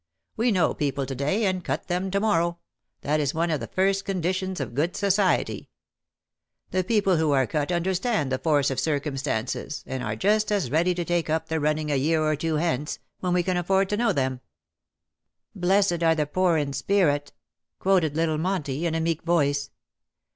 We know people to day, and cut them to morrow; that is one of the first conditions of good society. The people who are cut understand the force of circum stances, and are just as ready to take up the running a year or two hence, when we can afibrd to know them.'' '^ Blessed are the poor in spirit, " quoted little Monty, in a meek voice.